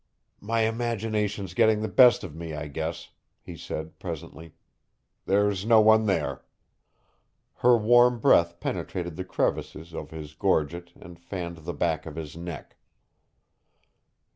"My imagination's getting the best of me, I guess," he said presently. "There's no one there." Her warm breath penetrated the crevices of his gorget and fanned the back of his neck.